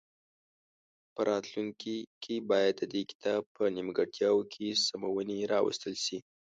په راتلونکي کې باید د دې کتاب په نیمګړتیاوو کې سمونې راوستل شي.